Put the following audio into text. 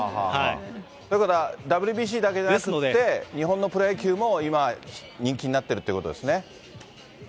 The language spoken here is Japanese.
だから、ＷＢＣだけじゃなくて、日本のプロ野球も今、人気になってるっていうことですね。